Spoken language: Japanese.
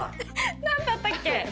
なんだったっけ？